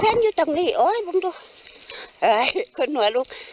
พิเภทอยู่ตรงนี้โอ้ยคุณหัวลุก